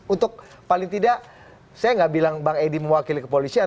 untuk paling tidak saya nggak bilang bang edi mewakili kepolisian